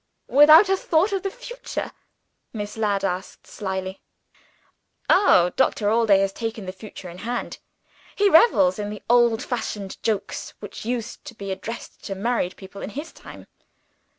"Without a thought of the future?" Miss Ladd asked slyly. "Oh, Doctor Allday has taken the future in hand! He revels in the old fashioned jokes, which used to be addressed to newly married people, in his time.